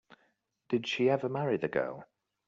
Did she ever marry the girl?